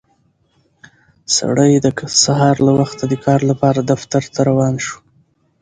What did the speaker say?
سړی د سهار له وخته د کار لپاره دفتر ته روان شو